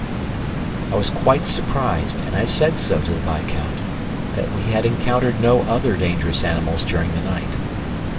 I was quite surprised and I said so to the viscount that we had encountered no other dangerous animals during the night.